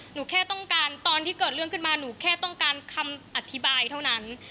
หนูแค่ต้องการตอนที่เกิดเรื่องขึ้นมาหนูแค่ต้องการคำอธิบายเท่านั้น